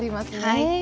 はい。